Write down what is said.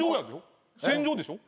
戦場でしょ？